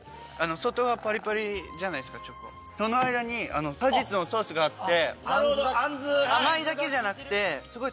その間に果実のソースがあって。